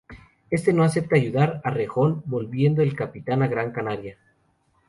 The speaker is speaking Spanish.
Este no acepta ayudar a Rejón, volviendo el capitán a Gran Canaria.